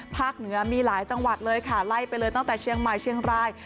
เหนือมีหลายจังหวัดเลยค่ะไล่ไปเลยตั้งแต่เชียงใหม่เชียงราย